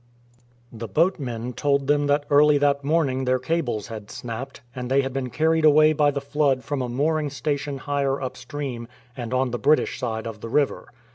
The boatmen told them that early that morning their cables had snapped, and they had been carried away by the flood from a mooring station higher upstream and on the British side of the river.